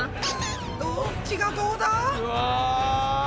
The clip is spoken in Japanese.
どっちがどうだ？うわ！